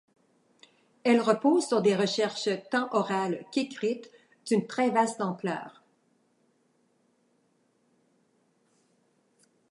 Elle repose sur des recherches tant orales qu'écrites d'une très vaste ampleur.